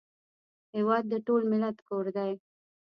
هېواد د ټول ملت کور دی